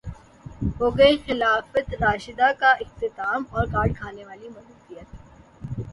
ہوگئے خلافت راشدہ کا اختتام اور کاٹ کھانے والی ملوکیت